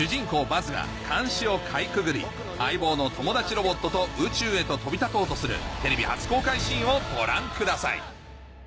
バズが監視をかいくぐり相棒の友達ロボットと宇宙へと飛び立とうとするテレビ初公開シーンをご覧ください